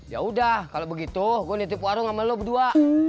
yaudah kalau begitu gue nitip warung sama lo berdua